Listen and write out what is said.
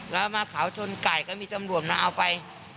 แล้วมาเขาชนไก่ก็มีตำรวจมาเอาไป